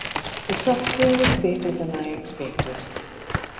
The software was better than I expected!